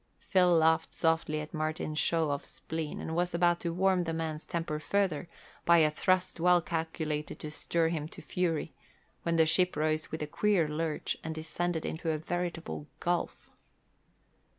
Phil laughed softly at Martin's show of spleen and was about to warm the man's temper further by a thrust well calculated to stir him to fury, when the ship rose with a queer lurch and descended into a veritable gulf.